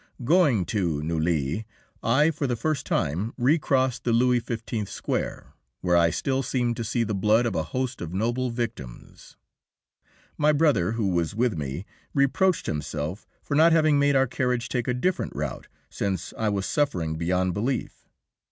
Going to Neuilly, I for the first time recrossed the Louis XV. square, where I still seemed to see the blood of a host of noble victims. My brother, who was with me, reproached himself for not having made our carriage take a different route, since I was suffering beyond belief.